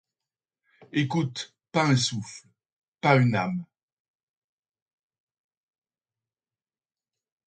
Écoute, pas un souffle, pas une âme.